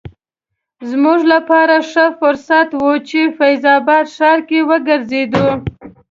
زموږ لپاره ښه فرصت و چې فیض اباد ښار کې وګرځو.